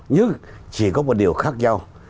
nhưng chỉ có một điều khác nhau